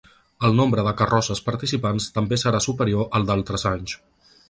El nombre de carrosses participants també serà superior al d’altres anys.